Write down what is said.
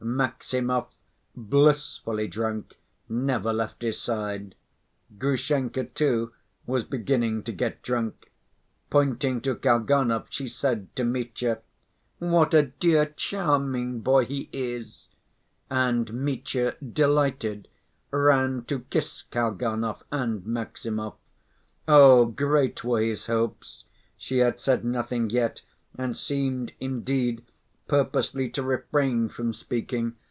Maximov, blissfully drunk, never left his side. Grushenka, too, was beginning to get drunk. Pointing to Kalganov, she said to Mitya: "What a dear, charming boy he is!" And Mitya, delighted, ran to kiss Kalganov and Maximov. Oh, great were his hopes! She had said nothing yet, and seemed, indeed, purposely to refrain from speaking.